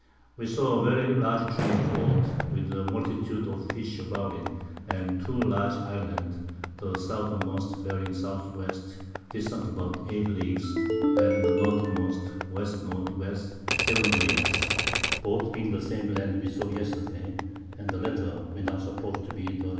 We saw a very large Tree a float, with a Multitude of Fish about it; and 2 large Islands, the Southermost bearing S. W. distant about 8 Leagues, and the Northermost W. N. W. 7 Leagues, both being the same Land we saw Yesterday; and the latter we now suppose to be the S.